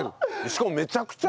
しかもめちゃくちゃ。